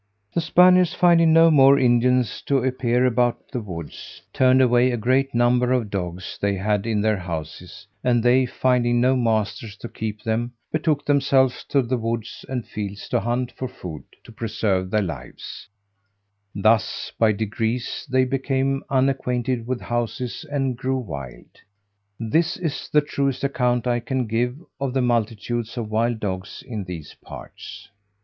The Spaniards finding no more Indians to appear about the woods, turned away a great number of dogs they had in their houses, and they finding no masters to keep them, betook themselves to the woods and fields to hunt for food to preserve their lives; thus by degrees they became unacquainted with houses, and grew wild. This is the truest account I can give of the multitudes of wild dogs in these parts.